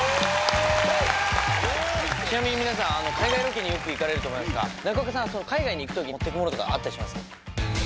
ちなみに皆さん海外ロケによく行かれると思いますが中岡さん海外に行くときに持ってくものとかありますか？